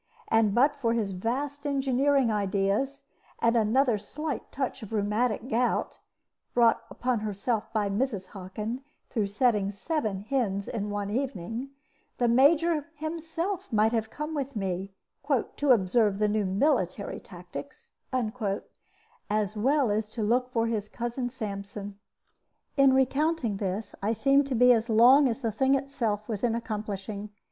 And but for his vast engineering ideas, and another slight touch of rheumatic gout (brought upon herself by Mrs. Hockin through setting seven hens in one evening), the Major himself might have come with me, "to observe the new military tactics," as well as to look for his cousin Sampson. In recounting this I seem to be as long as the thing itself was in accomplishing.